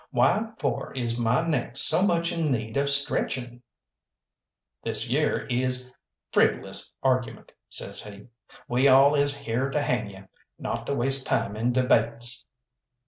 Why for is my neck so much in need of stretching?" "This yere is frivolous argument," says he; "we all is here to hang you, not to waste time in debates."